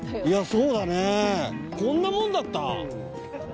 いやそうだねこんなもんだった？